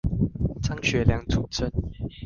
張學良主政